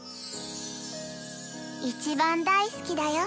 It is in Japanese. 一番大好きだよ。